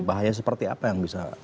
bahaya seperti apa yang bisa